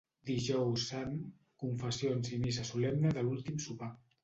Dijous Sant: confessions i missa solemne de l'últim sopar.